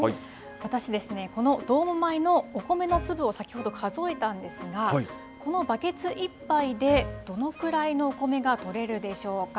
ことし、このどーも米のお米の粒を先ほど数えたんですが、このバケツ１杯でどのくらいのお米が取れるでしょうか。